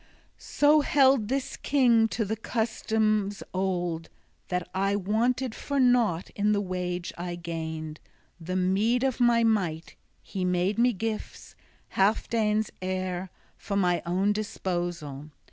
XXIX "So held this king to the customs old, that I wanted for nought in the wage I gained, the meed of my might; he made me gifts, Healfdene's heir, for my own disposal.